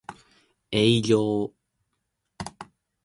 営業